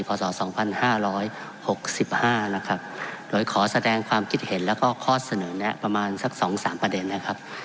ภาษาสองพันห้าร้อยหกสิบห้านะครับโดยขอแสดงความคิดเห็นแล้วก็ข้อเสนอแนะประมาณสักสองสามประเด็นนะครับ